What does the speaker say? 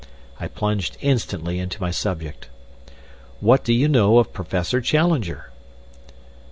I plunged instantly into my subject. "What do you know of Professor Challenger?"